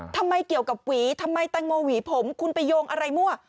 ทำไมเกี่ยวกับหวีทำไมแตงโมหวีผมคุณไปโยงอะไรมั่ว